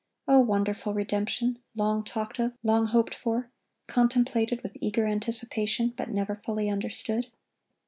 Oh, wonderful redemption! long talked of, long hoped for, contemplated with eager anticipation, but never fully understood.